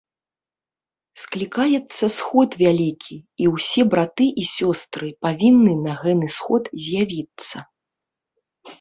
Склікаецца сход вялікі, і ўсе браты і сёстры павінны на гэны сход з'явіцца.